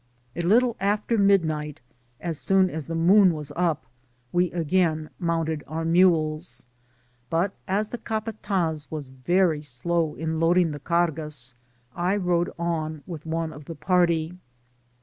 A little after midnight, as soon as the moon was up, we again mounted our mules, but as the capat^ was very slow in loading the cargas, I rode on with one of the party.